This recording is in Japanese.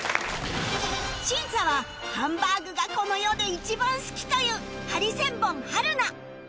審査はハンバーグがこの世で一番好きというハリセンボン春菜